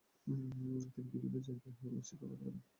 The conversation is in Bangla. তিনি বিভিন্ন জায়গায় শিক্ষকতা করেন ।